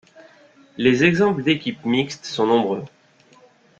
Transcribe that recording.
Les exemples d’équipes mixtes sont nombreux.